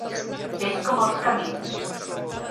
Vell com els camins.